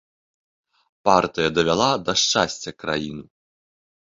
Партыя давяла да шчасця краіну.